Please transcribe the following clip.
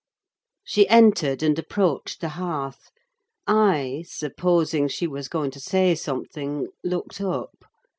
She entered and approached the hearth. I, supposing she was going to say something, looked up.